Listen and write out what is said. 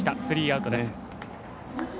スリーアウトです。